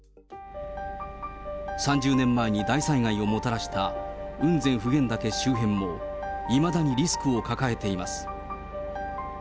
３０年前に大災害をもたらした雲仙・普賢岳周辺も、いまだにリスクを抱えています。